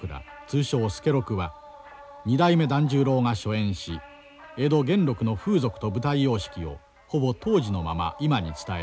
通称「助六」は二代目團十郎が初演し江戸元禄の風俗と舞台様式をほぼ当時のまま今に伝えている。